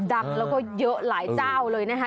ดังแล้วก็เยอะหลายเจ้าเลยนะคะ